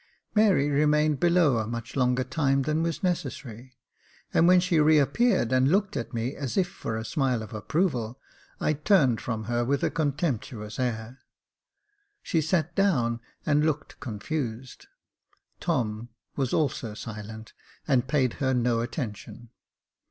Mary remained below a much longer time than was necessary, and when she re appeared and looked at me, as if for a smile of approval, I turned from her with a contemptuous air. She sat down and looked confused. Tom was also silent, and paid her no attention.